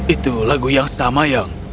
itu lagu yang sama yang